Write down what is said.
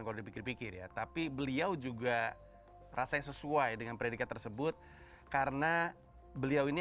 kalau dipikir pikir ya tapi beliau juga rasanya sesuai dengan predikat tersebut karena beliau ini